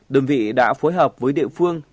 đơn vị đã phối hợp với địa phương